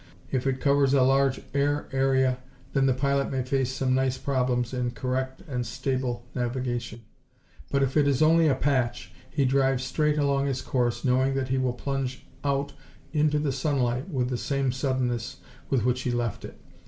If it covers a large air area, then the pilot may face some nice problems in correct and stable navigation, but if it is only a patch, he drives straight along his course, knowing that he will plunge out into the sunlight with the same suddenness with which he left it.